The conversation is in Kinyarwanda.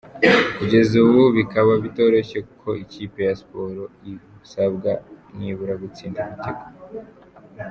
Kugeza ubu bikaba bitoroshye ku ikipe ya Sports isabwa nibura gutsinda ibitego .